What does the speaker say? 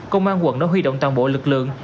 công an quận đã huy động toàn bộ lực lượng